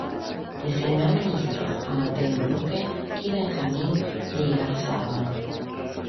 Designó ministros a Mateo Luque y Benjamín de Igarzábal.